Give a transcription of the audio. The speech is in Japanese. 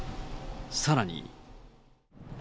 さらに。